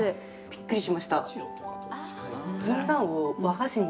びっくりしました。